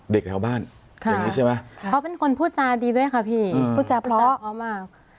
เด็กแถวบ้านค่ะเขาเป็นคนพูดจาดีด้วยค่ะพี่พูดจาเพราะพูดจาเพราะมาก